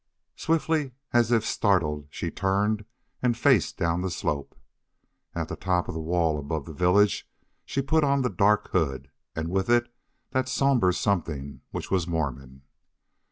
Swiftly, as if startled, she turned and faced down the slope. At the top of the wall above the village she put on the dark hood, and with it that somber something which was Mormon.